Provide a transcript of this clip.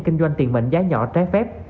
kinh doanh tiền mệnh giá nhỏ trái phép